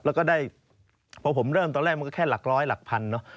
แล้วก็ได้พอผมเริ่มตอนแรกมันก็แค่หลักร้อยหลักพันเนอะ